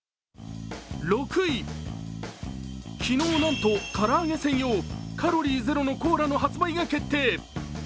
６位、昨日なんと、からあげ専用、カロリーゼロのコーラの発売が決定。